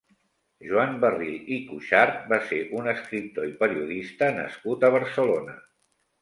Joan Barril i Cuixart va ser un escriptor i periodista nascut a Barcelona.